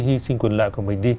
hy sinh quyền lợi của mình đi